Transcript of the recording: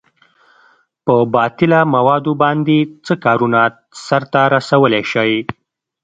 په باطله موادو باندې څه کارونه سرته رسولئ شئ؟